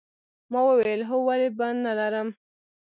ما وویل هو ولې به نه لرم